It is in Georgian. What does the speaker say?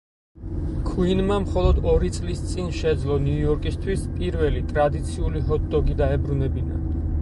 ქუინმა, მხოლოდ ორი წლის წინ შეძლო ნიუ-იორკისთვის პირველი, ტრადიციული ჰოთ-დოგი დაებრუნებინა.